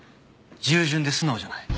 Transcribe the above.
従順で素直じゃない。